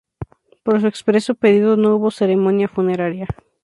Por su expreso pedido no hubo ceremonia funeraria.